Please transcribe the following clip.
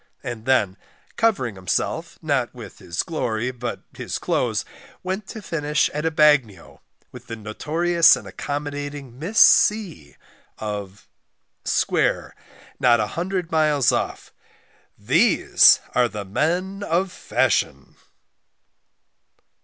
And then covering himself, not with glory, but his clothes, went to finish at a bagnio, with the notorious and accommodating Miss C of Square, not a hundred miles off. ="These are the Men of Fashion!!"